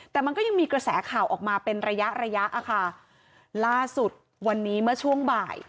แต่มันก็ยังมีกระแสข่าวออกมาเป็นระยะระยะอะค่ะล่าสุดวันนี้เมื่อช่วงบ่าย